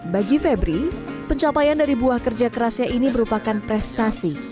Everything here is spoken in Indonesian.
bagi febri pencapaian dari buah kerja kerasnya ini merupakan prestasi